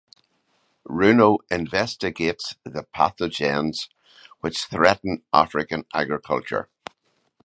Runo investigates the pathogens which threaten African agriculture.